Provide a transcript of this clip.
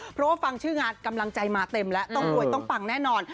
เพราะว่าฟังชื่องานกำลังใจมาเต็มแล้วต้องรวยต้องปังแน่นอน